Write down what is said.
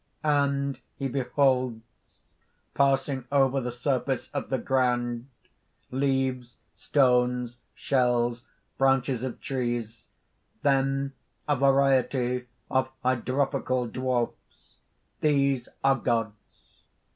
(_And he beholds passing over the surface of the ground, leaves, stones, shells, branches of trees, then a variety of hydropical dwarfs: these are gods.